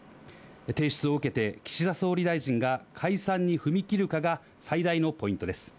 提出を受けて、岸田総理大臣が解散に踏み切るかが最大のポイントです。